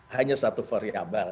hanya satu variabel